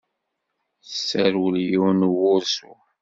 Tesserwel yiwen n wursu.